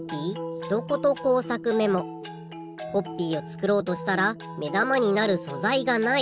コッピーをつくろうとしたらめだまになるそざいがない。